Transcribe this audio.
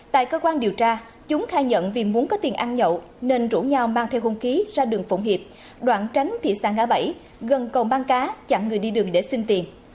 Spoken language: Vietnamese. tại cơ quan điều tra chúng khai nhận vì muốn có tiền ăn nhậu nên rủ nhau mang theo hôn khí ra đường phụng hiệp đoạn tránh thị xã ngã bảy gần cầu băng cá chặn người đi đường để xin tiền